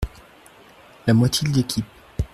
La moitié de l’équipe.